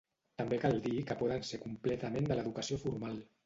També cal dir que poden ser completament de l'educació formal.